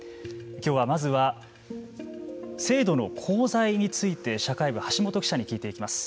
きょうはまずは制度の功罪について社会部・橋本記者に聞いていきます。